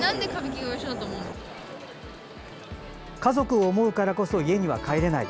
家族を思うからこそ家には帰れない。